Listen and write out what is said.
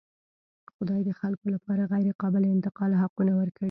خدای د خلکو لپاره غیرقابل انتقال حقونه ورکړي.